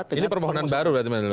ini permohonan baru berarti pak menteri